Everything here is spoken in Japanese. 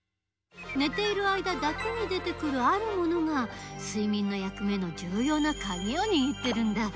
寝ている間だけに出てくるあるものが睡眠の役目のじゅうようなカギをにぎってるんだ。